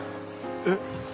えっ？